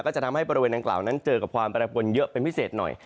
จะทำให้บริเวณดังกล่าวนั้นเจอกับความแปรปวนเยอะเป็นพิเศษหน่อย